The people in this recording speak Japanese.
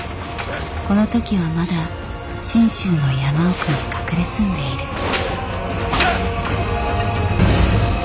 この時はまだ信州の山奥に隠れ住んでいる。